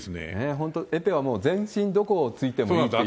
本当、エペはもう全身どこを突いてもいいっていう。